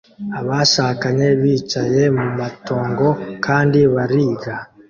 Abashakanye bicaye mu matongo kandi bariga